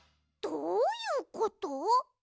どういうこと？